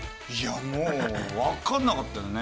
もう分からなかったよね。